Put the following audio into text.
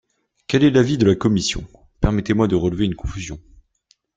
Quel est l’avis de la commission ? Permettez-moi de relever une confusion.